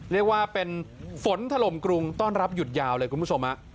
เรียกว่าเป็นฝนถล่มกรุงต้อนรับหยุดยาวเลยคุณผู้ชม